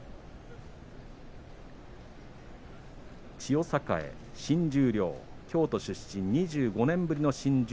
千代栄、新十両京都出身は２５年ぶりです。